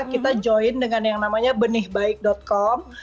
kita join dengan yang namanya benihbaik com